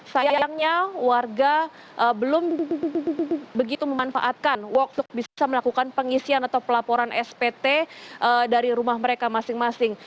sayangnya warga belum begitu memanfaatkan waktu bisa melakukan pengisian atau pelaporan spt dari rumah mereka masing masing